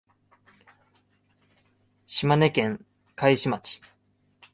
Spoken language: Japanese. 島根県海士町